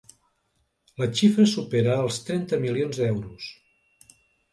La xifra supera els trenta milions d’euros.